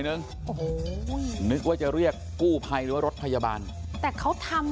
หนึ่งโอ้โหนึกว่าจะเรียกกู้ภัยหรือว่ารถพยาบาลแต่เขาทำ